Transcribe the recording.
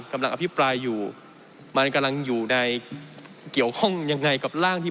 กำลังอภิปรายอยู่มันกำลังอยู่ในเกี่ยวข้องยังไงกับร่างที่